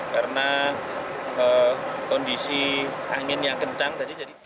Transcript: karena kondisi angin yang kencang tadi jadi